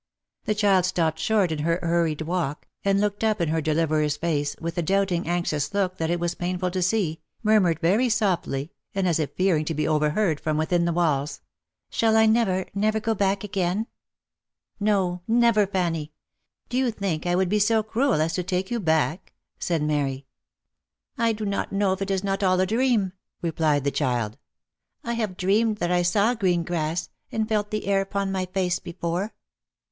The child stopped short in her hurried walk, and looking up in her deliverer's face, with a doubting anxious look that it was painful to see, murmured very softly, and as if fearing to be overheard from within the walls, " Shall I never, never go back again V* " No, never Fanny ! Do you think I would be so cruel as to take you back ?" said Mary. " I do not know if it is not all a dream," replied the child. " I have dreamed that I saw green grass, and felt the air upon my face, before."